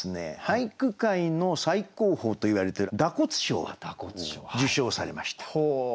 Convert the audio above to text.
俳句界の最高峰といわれてる蛇笏賞を受賞されました。